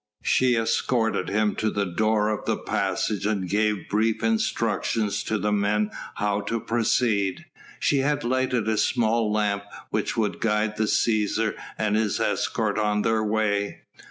She escorted him to the door of the passage and gave brief instructions to the men how to proceed. She had lighted a small lamp which would guide the Cæsar and his escort on their way.